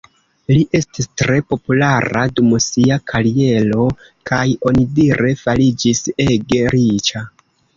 Li estis tre populara dum sia kariero, kaj onidire fariĝis ege riĉa.